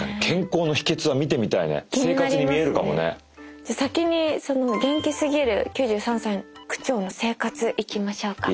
じゃあ先にその「元気すぎる９３歳区長の生活」いきましょうか。